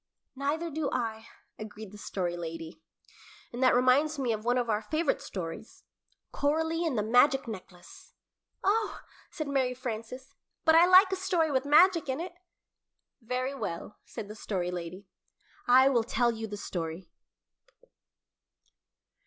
"Neither do I," agreed the Story Lady; "and that reminds me of one of our favorite stories Coralie and the Magic Necklace." "Oh," said Mary Frances, "but I like a story with magic in it." "Very well," said the Story Lady, "I will tell you the story."